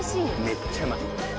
めっちゃうまい。